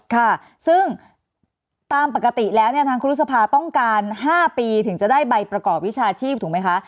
ค่ะซึ่งตามปกติแล้วเนี่ยทางครูรุษภาต้องการ๕ปีถึงจะได้ใบประกอบวิชาชีพถูกไหมคะ